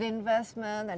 investasi yang baik